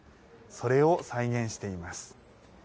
それを再現しています。